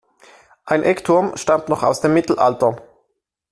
Ein Eckturm stammt noch aus dem Mittelalter.